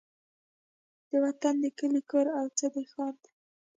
د وطن د کلي کور او څه د ښار دي